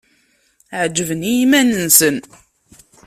Ɛeǧben i iman-nsen.